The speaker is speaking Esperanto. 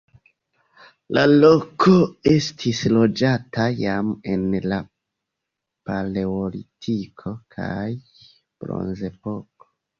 La loko estis loĝata jam en la paleolitiko kaj bronzepoko.